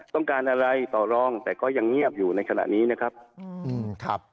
ต้องการอะไรต่อรองแต่ก็ยังเงียบอยู่ในขณะนี้นะครับอืมครับ